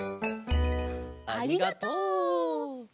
ありがとう。